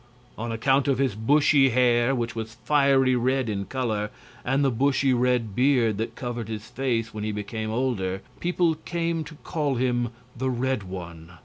On account of his bushy hair, which was fiery red in color, and the bushy red beard that covered his face when he became older, people came to call him the Red One.